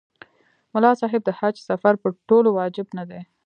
ملا صاحب د حج سفر په ټولو واجب نه دی.